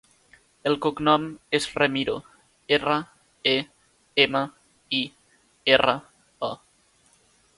El cognom és Remiro: erra, e, ema, i, erra, o.